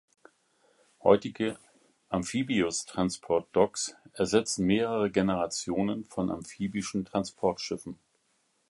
Heutige Amphibious Transport Docks ersetzen mehrere Generationen von amphibischen Transportschiffen.